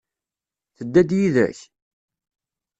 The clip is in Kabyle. Tedda-d yid-k?